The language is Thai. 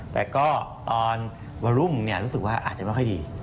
แต่ก็ตอนวันรุ่งรู้สึกว่าอาจจะไม่ค่อยดี